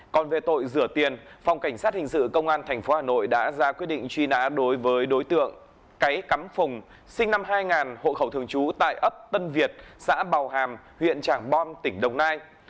còn về tội rửa tiền phòng cảnh sát hình sự công an tp hà nội đã ra quyết định truy nã đối với đối tượng cáy cắm phùng sinh năm hai nghìn hộ khẩu thường trú tại ấp tân việt xã bào hàm huyện trảng bom tỉnh đồng nai